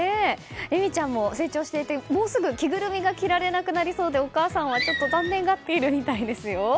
えみちゃんも成長していてもうすぐ着ぐるみが着られなくなりそうでお母さんは残念がっているみたいですよ。